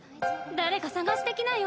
誰か捜してきなよ。